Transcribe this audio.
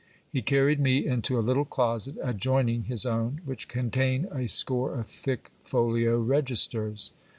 He carried me into a little closet adjoining his own, which contained a score of thick folio registers.